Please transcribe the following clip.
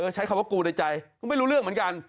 ใช้คำว่ากูในใจก็ไม่รู้เรื่องเหมือนกัน